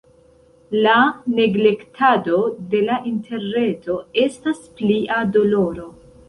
La neglektado de la interreto estas plia doloro.